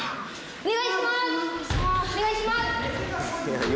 お願いします。